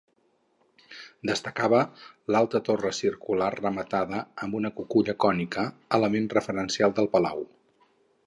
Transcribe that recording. Destacava l'alta torre circular rematada amb una cuculla cònica, element referencial del palau.